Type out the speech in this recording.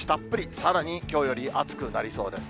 さらにきょうより暑くなりそうです。